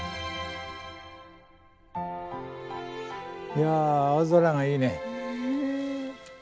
いや青空がいいね。